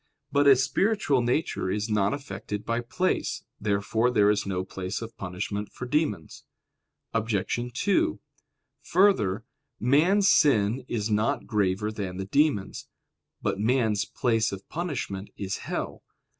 But a spiritual nature is not affected by place. Therefore there is no place of punishment for demons. Obj. 2: Further, man's sin is not graver than the demons'. But man's place of punishment is hell.